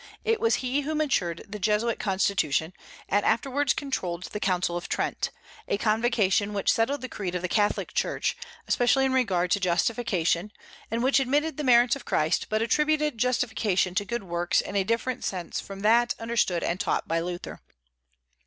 It was he who matured the Jesuit Constitution, and afterwards controlled the Council of Trent, a convocation which settled the creed of the Catholic Church, especially in regard to justification, and which admitted the merits of Christ, but attributed justification to good works in a different sense from that understood and taught by Luther.